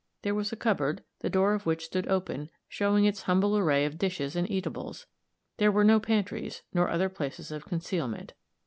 There was a cupboard, the door of which stood open, showing its humble array of dishes and eatables there were no pantries, nor other places of concealment.